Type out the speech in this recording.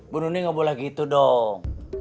bu nuni gak boleh gitu dong